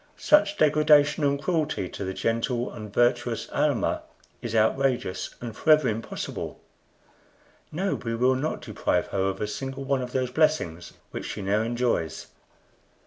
Such degradation and cruelty to the gentle and virtuous Almah is outrageous and forever impossible; no, we will not deprive her of a single one of those blessings which she now enjoys."